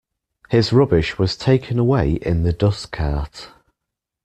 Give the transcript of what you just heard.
His rubbish was taken away in the dustcart